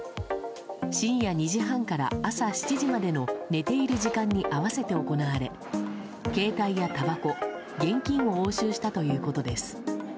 深夜２時半から朝７時までの寝ている時間に合わせて行われ携帯やたばこ、現金を押収したということです。